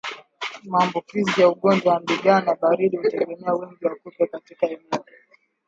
Maambukizi ya ugonjwa wa ndigana baridi hutegemea wingi wa kupe katika eneo